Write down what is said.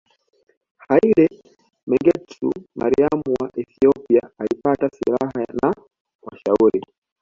Haile Mengistu Mariam wa Ethiopia alipata silaha na washauri